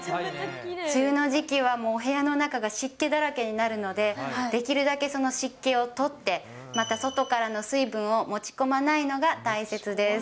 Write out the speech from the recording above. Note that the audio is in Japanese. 梅雨の時期は、もうお部屋の中が湿気だらけになるので、できるだけその湿気を取って、また外からの水分を持ち込まないのが大切です。